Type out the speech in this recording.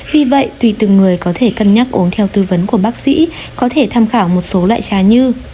vì vậy tùy từng người có thể cân nhắc uống theo tư vấn của bác sĩ có thể tham khảo một số loại trà như